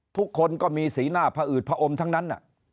ทุกคนก็มีสีหน้าผอืดผอมทั้งนั้น